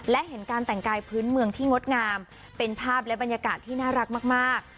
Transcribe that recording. และเห็นการแต่งกายพื้นเมืองที่งดงามเป็นภาพและบรรยากาศที่น่ารักมาก